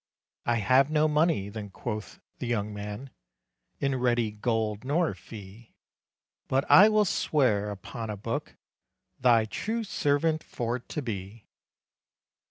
"I have no money," then quoth the young man, "In ready gold nor fee, But I will swear upon a book Thy true servant for to be."